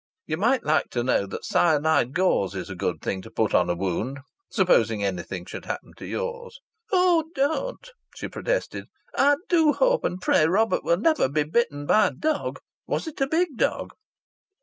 You might like to know that cyanide gauze is a good thing to put on a wound supposing anything should happen to yours " "Oh, don't!" she protested. "I do hope and pray Robert will never be bitten by a dog. Was it a big dog?"